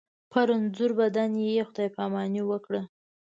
په رنځور بدن یې خدای پاماني وکړه.